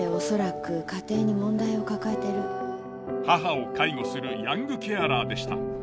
母を介護するヤングケアラーでした。